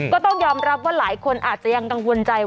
ก็ต้องยอมรับว่าหลายคนอาจจะยังกังวลใจ